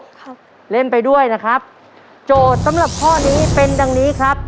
ครับเล่นไปด้วยนะครับโจทย์สำหรับข้อนี้เป็นดังนี้ครับ